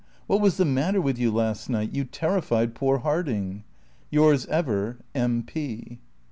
What was the matter with you last night? You terrified poor Harding. Yours ever, M. P."